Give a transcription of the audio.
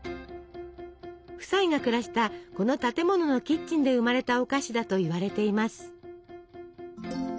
夫妻が暮らしたこの建物のキッチンで生まれたお菓子だといわれています。